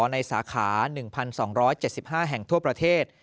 สาขา๑๒๗๕แห่งทั่วประเทศ